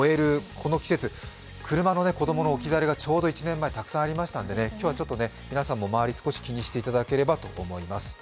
この季節、車の子供の置き去りが去年ちょうどたくさんありましたので今日は皆さんも周り、少し気にしていただければと思います。